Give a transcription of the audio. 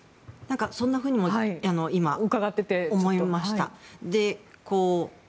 そんなふうにも思いました。